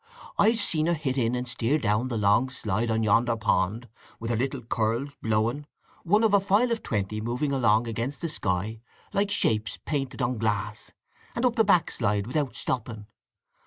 I've seen her hit in and steer down the long slide on yonder pond, with her little curls blowing, one of a file of twenty moving along against the sky like shapes painted on glass, and up the back slide without stopping.